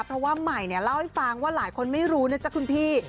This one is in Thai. เพราะว่าใหม่เนี่ยเล่าให้ฟังว่าหลายคนไม่รู้นะจ๊ะคุณพี่